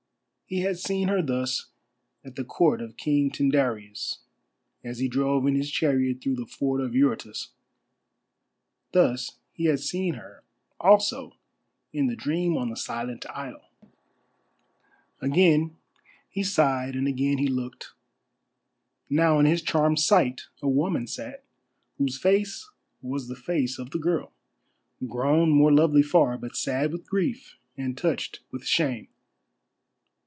He had seen her thus at the court of King Tyndareus as he drove in his chariot through the ford of Eurotas; thus he had seen her also in the dream on the Silent Isle. Again he sighed and again he looked. Now in his charmed sight a woman sat, whose face was the face of the girl, grown more lovely far, but sad with grief and touched with shame.